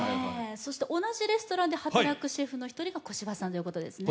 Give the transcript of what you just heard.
そして同じレストランで働くシェフの一人が小芝さんですね？